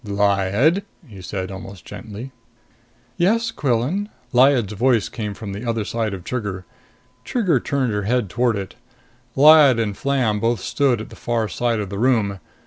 "Lyad," he said, almost gently. "Yes, Quillan?" Lyad's voice came from the other side of Trigger. Trigger turned her head toward it. Lyad and Flam both stood at the far side of the room.